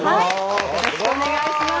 よろしくお願いします。